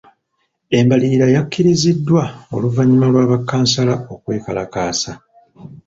Embalirira yakkiriziddwa oluvannyuma lwa ba Kkansala okwekalakaasa.